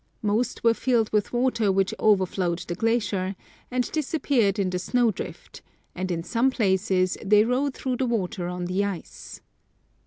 Most were filled with water which overflowed the glacier, and disappeared in the snowdrift, and in some places they rode through the water on the ice.